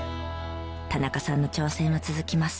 田中さんの挑戦は続きます。